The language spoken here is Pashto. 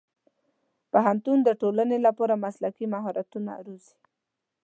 پوهنتون د ټولنې لپاره مسلکي مهارتونه روزي.